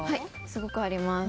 すごくあります。